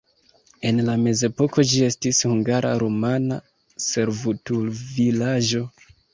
En la mezepoko ĝi estis hungara-rumana servutulvilaĝo.